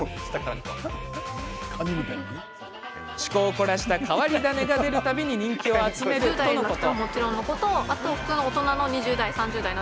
趣向を凝らした変わり種が出る度に人気を集めているということ。